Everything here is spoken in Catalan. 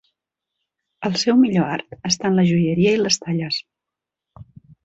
El seu millor art està en la joieria i les talles.